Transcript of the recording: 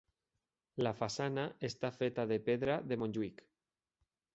La façana està feta de pedra de Montjuïc.